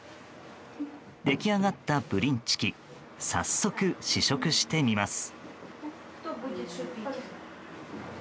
出来上がったブリンチキ早速、試食してみます。